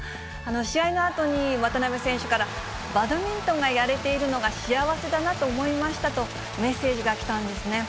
試合のあとに渡辺選手から、バドミントンがやれているのが幸せだなと思いましたと、メッセージが来たんですね。